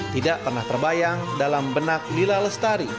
tidak pernah terbayang dalam benak lila lestari